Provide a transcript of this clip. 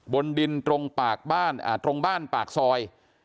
บนดินตรงบ้านปากซอย